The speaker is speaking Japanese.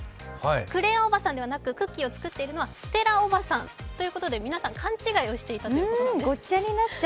クレアおばさんではなく、クッキーを作っているのはステラおばさんということで、皆さん勘違いをしてらしたんです。